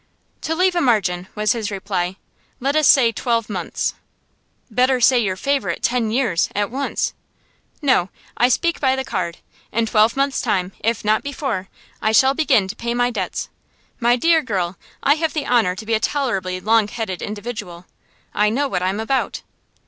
'To leave a margin,' was his reply, 'let us say twelve months.' 'Better say your favourite "ten years" at once.' 'No. I speak by the card. In twelve months' time, if not before, I shall begin to pay my debts. My dear girl, I have the honour to be a tolerably long headed individual. I know what I'm about.